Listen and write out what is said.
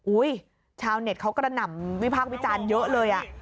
ชาวเน็ตเขากระหน่ำวิพากษ์วิจารณ์เยอะเลย